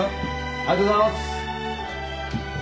ありがとうございます。